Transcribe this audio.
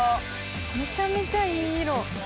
めちゃめちゃいい色。